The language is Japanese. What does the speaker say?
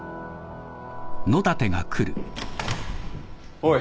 おい。